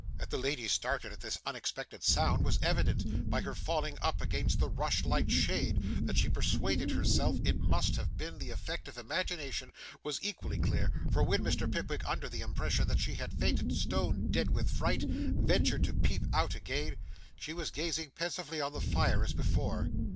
That the lady started at this unexpected sound was evident, by her falling up against the rushlight shade; that she persuaded herself it must have been the effect of imagination was equally clear, for when Mr. Pickwick, under the impression that she had fainted away stone dead with fright, ventured to peep out again, she was gazing pensively on the fire as before.